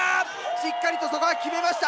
しっかりとそこは決めました。